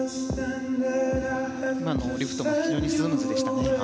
今のリフトも非常にスムーズでしたね。